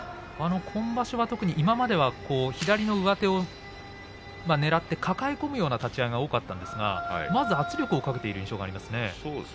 今までは左の上手をねらって抱え込むような立ち合いが多かったんですが今場所はまず圧力をかけている印象がありますね。